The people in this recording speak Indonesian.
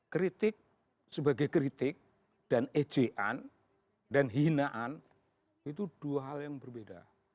kritik sebagai kritik dan ejean dan hinaan itu dua hal yang berbeda